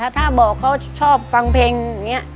ถ้าบอกเขาชอบฟังเพลงอย่างนี้